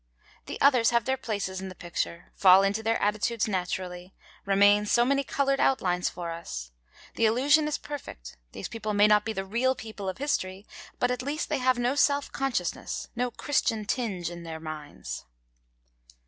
The others have their places in the picture, fall into their attitudes naturally, remain so many coloured outlines for us. The illusion is perfect; these people may not be the real people of history, but at least they have no self consciousness, no Christian tinge in their minds.